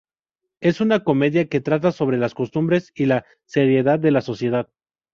Es una comedia que trata sobre las costumbres y la seriedad de la sociedad.